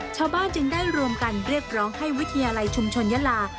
ชาวบ้านจึงได้รวมกันเรียกร้องให้วิทยาลัยชุมชนยาลา